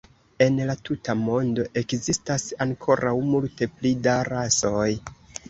En la tuta mondo ekzistas ankoraŭ multe pli da rasoj.